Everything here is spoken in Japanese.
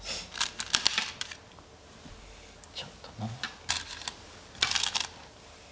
ちょっとな。